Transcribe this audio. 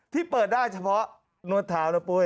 ที่เปิดได้เฉพาะนวดเท้านะปุ้ย